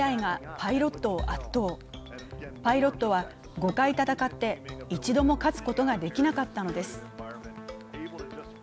パイロットは５回戦って一度も勝つことができなかったのです。